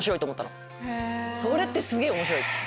それってすげぇ面白い！